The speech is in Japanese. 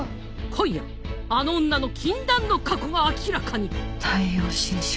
今夜あの女の禁断の過去が明らかに「太陽新社」。